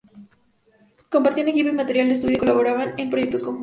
Compartían equipo y material de estudio y colaboraban en proyectos conjuntos.